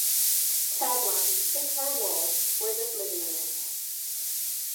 Tagline: It's her world.. we're just living in it.